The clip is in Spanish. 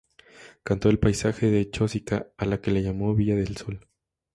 Cantó el paisaje de Chosica, a la que llamó "Villa del Sol".